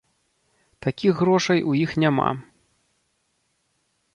Такіх грошай у іх няма.